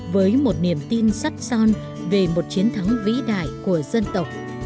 với một niềm tin sắt son về một chiến thắng vĩ đại của dân tộc